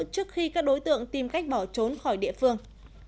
trước khi các đối tượng tìm cách bỏ trốn khỏi địa phương